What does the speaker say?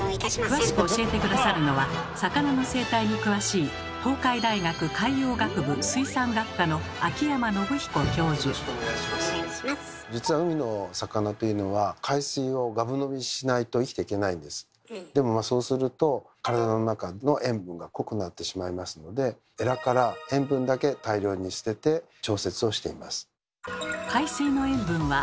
詳しく教えて下さるのは魚の生態に詳しい実は海の魚というのはでもそうすると体の中の塩分が濃くなってしまいますのでエラから塩分だけ大量に捨てて調節をしています。